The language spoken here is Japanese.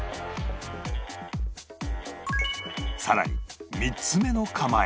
さらに３つ目の釜へ